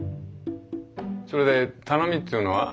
それで頼みっていうのは？